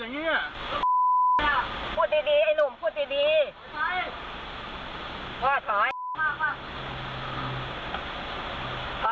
บ๊าบ้าบ้าบ้าของลูกหัว